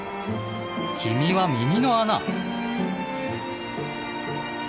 君は耳の穴！